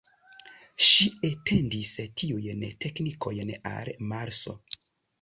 Ŝi etendis tiujn teknikojn al Marso.